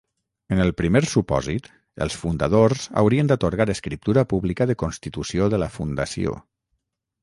En el primer supòsit els fundadors haurien d'atorgar escriptura pública de constitució de la fundació.